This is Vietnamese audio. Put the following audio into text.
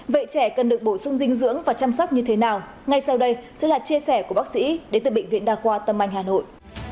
vệ trẻ cần được bổ sung dinh dưỡng và chăm sóc như thế nào ngay sau đây sẽ là chia sẻ của bác sĩ đến từ bệnh viện đa khoa tâm anh hà nội